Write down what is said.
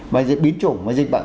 và dịch biến chủng và dịch bệnh